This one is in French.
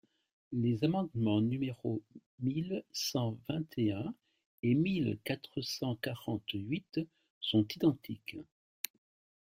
Les amendements numéros mille cent vingt et un et mille quatre cent quarante-huit sont identiques.